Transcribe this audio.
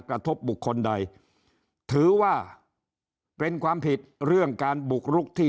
กระทบบุคคลใดถือว่าเป็นความผิดเรื่องการบุกรุกที่